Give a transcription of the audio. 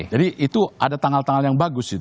jadi itu ada tanggal tanggal yang bagus